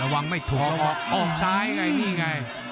ระวังไม่ถูกแล้วออกออกออกซ้ายแน่นี่ไง